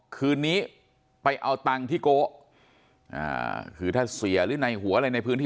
คืนนี้ไปเอาตังค์ที่โกะคือถ้าเสียหรือในหัวอะไรในพื้นที่